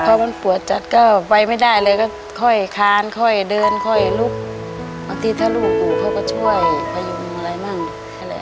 พอมันปวดจัดก็ไปไม่ได้เลยก็ค่อยคานค่อยเดินค่อยลุกบางทีถ้าลูกอยู่เขาก็ช่วยพยุงอะไรมั่งนั่นแหละ